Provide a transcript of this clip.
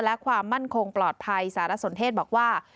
และความมั่นคงปลอดภัยสารสนเทศบอกว่า